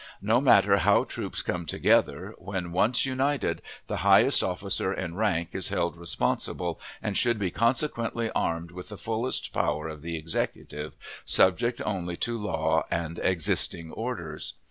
No matter how troops come together, when once united, the highest officer in rank is held responsible, and should be consequently armed with the fullest power of the Executive, subject only to law and existing orders.